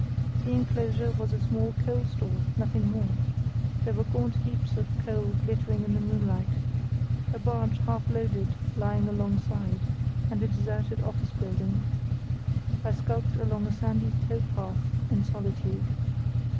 The enclosure was a small coal store, nothing more; there were gaunt heaps of coal glittering in the moonlight; a barge half loaded lying alongside, and a deserted office building. I skulked along a sandy towpath in solitude.